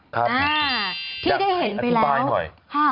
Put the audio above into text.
ที่ได้เห็นไปแล้วอยากอธิบายหน่อย